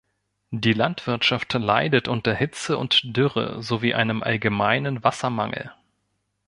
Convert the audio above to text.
Die Landwirtschaft leidet unter Hitze und Dürre sowie einem allgemeinen Wassermangel.